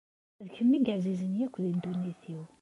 D kemm i yeɛzizen akk deg ddunit-iw.